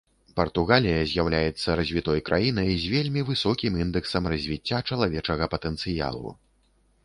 Партугалія з'яўляецца развітой краінай з вельмі высокім індэксам развіцця чалавечага патэнцыялу.